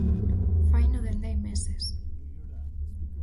Faino desde hai meses.